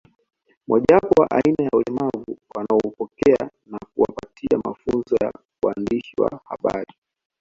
Mojawapo wa aina ya ulemavu wanaowapokea na kuwapatia mafunzo ya uandishi wa habari